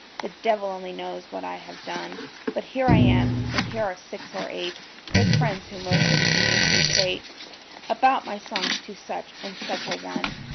The devil only knows what I have done, But here I am, and here are six or eight Good friends, who most ingenuously prate About my songs to such and such a one.